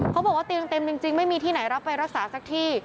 เขาบอกว่าเตียงเต็มจริงไม่มีที่ไหนรับไปรักษาสักที่